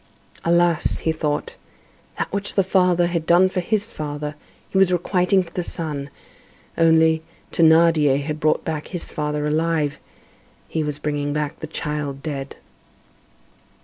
"Alas!" he thought, "that which the father had done for his father, he was requiting to the son; only, Thénardier had brought back his father alive; he was bringing back the child dead."